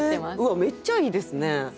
めっちゃいいですね。